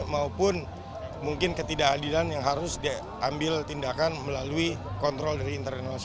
maupun mungkin ketidakadilan yang harus diambil tindakan melalui kontrol dari internasional